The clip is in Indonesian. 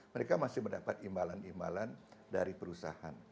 mereka masih mendapat imbalan imbalan dari perusahaan